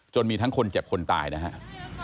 มีทั้งคนเจ็บคนตายนะครับ